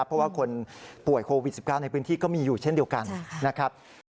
เพราะว่าคนป่วยโควิด๑๙ในพื้นที่ก็มีอยู่เช่นเดียวกันนะครับ